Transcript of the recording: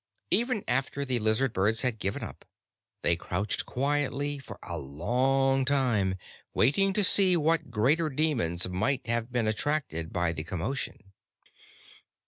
Even after the lizard birds had given up, they crouched quietly for a long time, waiting to see what greater demons might have been attracted by the commotion.